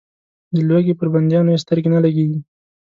د لوږې پر بندیانو یې سترګې نه لګېږي.